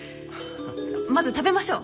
まず食べましょう。